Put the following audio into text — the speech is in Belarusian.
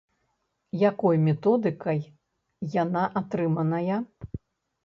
Якой методыкай яна атрыманая?